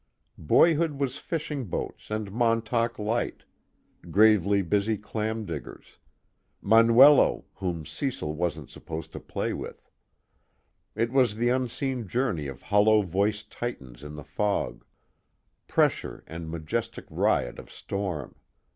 Boyhood was fishing boats and Montauk Light, gravely busy clam diggers, Manuelo whom Cecil wasn't supposed to play with. It was the unseen journey of hollow voiced titans in the fog; pressure and majestic riot of storm.